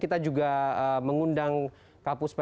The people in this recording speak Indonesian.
kita juga mengundang kapus